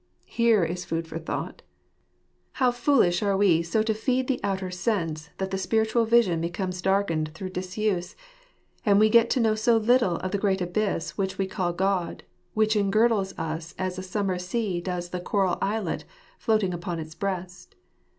Here is food for thought ! How foolish are we so to feed the outer sense, that the spiritual vision becomes darkened through disuse ; and we get to know so little of the great abyss which we call God, which engirdles us as a summer sea does the coral islet floating upon its breast.